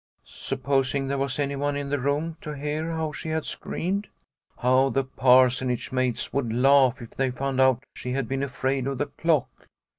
Supposing there was anyone in the room to hear how she had screamed ? How the Parsonage maids would laugh if they found out she had been afraid of the clock.